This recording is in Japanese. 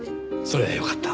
それはよかった。